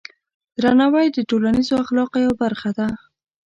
درناوی د ټولنیز اخلاقو یوه برخه ده.